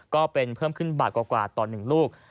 ก็เป็นเพิ่มขึ้นบาทกว่าต่อ๑ลูก